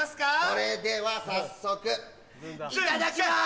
それでは早速いただきます！